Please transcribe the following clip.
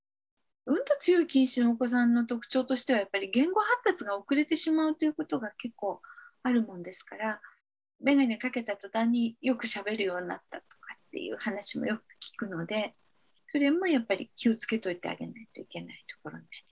うんと強い近視のお子さんの特徴としてはやっぱり言語発達が遅れてしまうということが結構あるもんですからめがねかけた途端によくしゃべるようになったとかっていう話もよく聞くのでそれもやっぱり気をつけといてあげないといけないところになります。